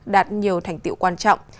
đạt nhiều thành tiệu quan trọng